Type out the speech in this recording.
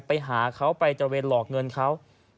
ไปหาเขาไปตระเวนหลอกเงินเขา